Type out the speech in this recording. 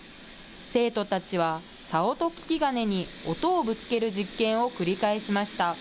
生徒たちは、些音聞金に音をぶつける実験を繰り返しました。